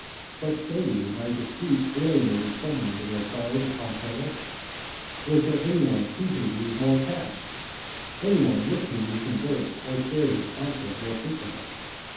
But say you, my speech alienated from me the regard of Pompeius? Was there any one to whom he was more attached? any one with whom he conversed or shared his counsels more frequently?